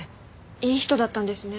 いい人だったんですね。